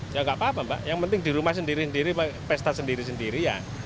ya nggak apa apa mbak yang penting di rumah sendiri sendiri pesta sendiri sendiri ya